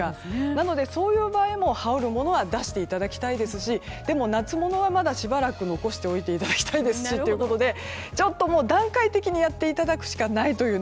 なので、そういう場合は羽織るものは出していただきたいですしでも、夏物はしばらく残しておいていただきたいですしということでちょっと段階的にやっていただくしかないという。